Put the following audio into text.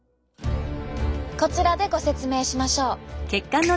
こちらでご説明しましょう。